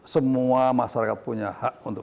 semua masyarakat punya hak untuk